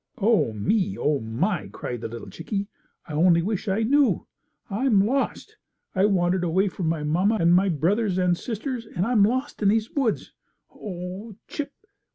"Oh, me! Oh, my!" cried the little chickie. "I only wish I knew. I'm lost! I wandered away from my mamma, and my brothers, and sisters, and I'm lost in these woods. Oh chip!